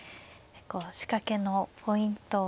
仕掛けのポイント